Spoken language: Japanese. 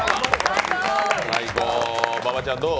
馬場ちゃんどう？